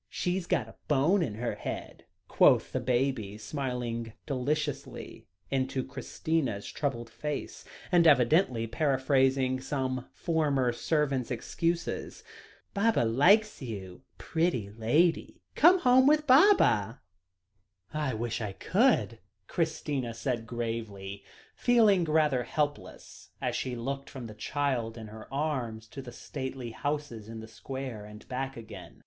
She's got a bone in her head," quoth the baby, smiling deliciously into Christina's troubled face, and evidently paraphrasing some former servant's excuses. "Baba likes you pretty lady come home with Baba!" "I wish I could," Christina said gravely, feeling rather helpless, as she looked from the child in her arms to the stately houses in the square, and back again.